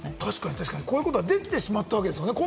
確かに、こういうことができてしまったわけですもんね。